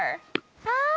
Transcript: ああ！